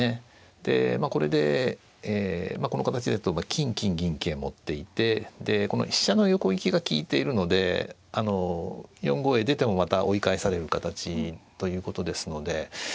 でまあこれでこの形だと金金銀桂持っていてこの飛車の横利きが利いているので４五へ出てもまた追い返される形ということですので。